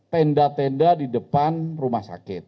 tenda tenda di depan rumah sakit